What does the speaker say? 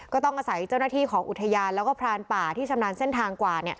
ก็ต้องอาศัยเจ้าหน้าที่ของอุทยานแล้วก็พรานป่าที่ชำนาญเส้นทางกว่า